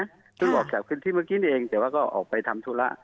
ซึ่งออกจากพื้นที่เมื่อกี้นี่เองแต่ว่าก็ออกไปทำธุระ